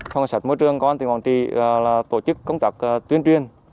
phòng cảnh sát môi trường công an tỉnh quảng trị tổ chức công tác tuyên truyền